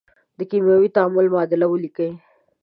د کیمیاوي تعامل معادله ولیکئ.